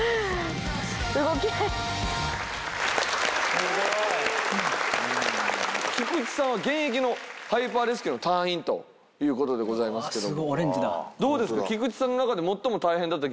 すごい。菊地さんは現役のハイパーレスキューの隊員ということでございますけどどうですか？